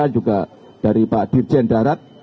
juga dari pak dirjen darat